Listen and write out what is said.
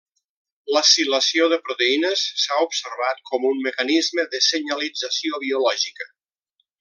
L'acilació de proteïnes s'ha observat com un mecanisme de senyalització biològica.